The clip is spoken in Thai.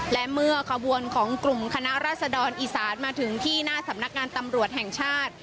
และเมื่อขบวนของกลุ่มคณะรัศดรอีสานมาถึงที่หน้าสำนักงานตำรวจแห่งชาติ